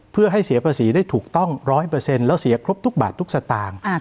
เพื่อให้เสียภาษีได้ถูกต้อง๑๐๐แล้วเสียครบทุกบาททุกสตางค์